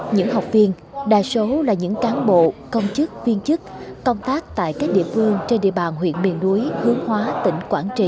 những học viên đa số là những cán bộ công chức viên chức công tác tại các địa phương trên địa bàn huyện miền núi hướng hóa tỉnh quảng trị